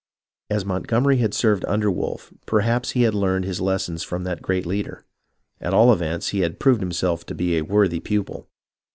As Montgomer}' had served under Wolfe, perhaps he had learned his lessons from that great leader. At all events, he had proved himself to be a worthy pupil.